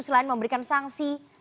selain memberikan sanksi